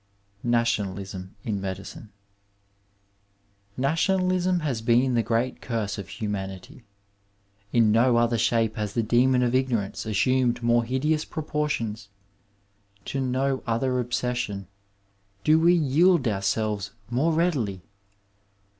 II. NATIONALISM IN MEDICINE Nationalism has been the great curse of humanity. In no other shape has the Demon of Ignorance assumed more iiideous proportions ; to no other obsession do we yield ouieelves more readily.